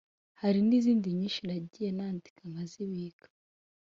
hari n’izindi nyinshi nagiye nandika nkazibika